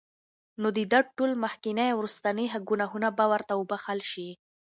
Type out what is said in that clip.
نو د ده ټول مخکيني او وروستني ګناهونه به ورته وبخښل شي